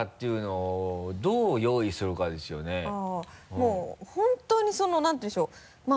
もう本当に何ていうんでしょう？